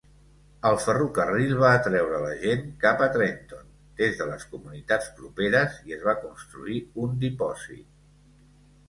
El ferrocarril va atreure la gent cap a Trenton des de les comunitats properes i es va construir un dipòsit.